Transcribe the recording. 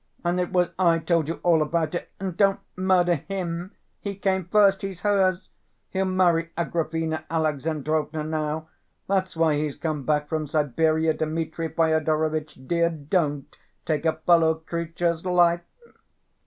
And it was I told you all about it.... And don't murder him, he came first, he's hers! He'll marry Agrafena Alexandrovna now. That's why he's come back from Siberia. Dmitri Fyodorovitch, dear, don't take a fellow creature's life!"